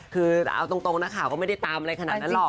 คือเอาตรงนักข่าวก็ไม่ได้ตามอะไรขนาดนั้นหรอก